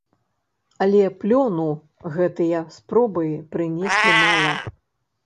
Але плёну гэтыя спробы прынеслі мала.